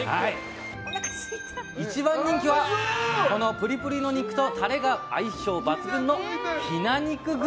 一番人気は、このプリプリの肉とタレが相性抜群のヒナ肉串。